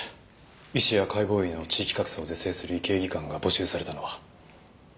医師や解剖医の地域格差を是正する医系技官が募集されたのは。